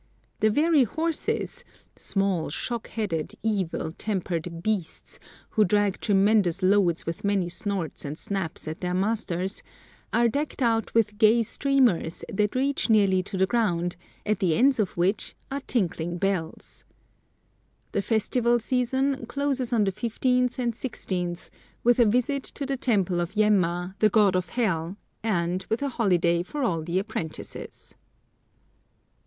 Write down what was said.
The very horses small, shock headed, evil tempered beasts, who drag tremendous loads with many snorts and snaps at their masters are decked out with gay streamers that reach nearly to the ground, at the ends of which are tinkling bells. The festival season closes on the fifteenth and sixteenth with a visit to the temple of Yemma, the god of hell, and with a holiday for all the apprentices.